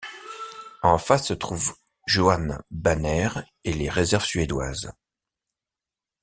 En face se trouve Johan Banér et les réserves suédoises.